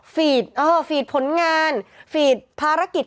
ฟีล์ชฟีล์ชผลงานฟีล์ชภารกิจ